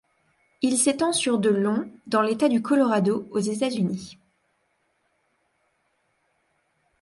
Il s'étend sur de long dans l'État du Colorado aux États-Unis.